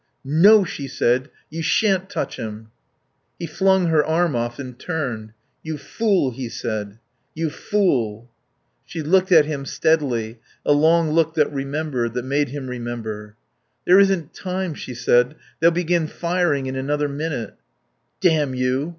No," she said. "You shan't touch him." He flung her arm off and turned. "You fool," he said. "You fool." She looked at him steadily, a long look that remembered, that made him remember. "There isn't time," she said. "They'll begin firing in another minute." "Damn you."